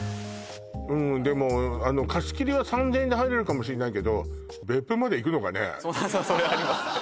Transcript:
うんでも貸切は３０００円で入れるかもしれないけどそれありますね